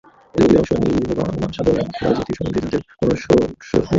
এদের অধিকাংশই নিরীহ সাধারণ মানুষ, রাজনীতির সঙ্গে যাদের কোনো সংস্রব নেই।